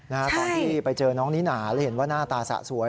ตอนที่ไปเจอน้องนิน่าแล้วเห็นว่าหน้าตาสะสวย